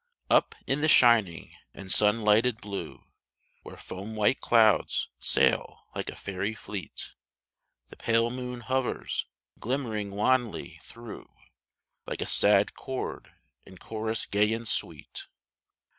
P in the shining and sun lighted blue, Where foam white clouds sail like a fairy fleet, The pale moon hovers, glimmering wanly through, Like a sad chord in chorus gay and sweet.